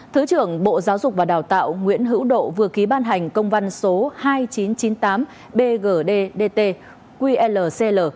thứ trưởng bộ giáo dục và đào tạo nguyễn hữu độ vừa ký ban hành công văn số hai nghìn chín trăm chín mươi tám bgdt qlcl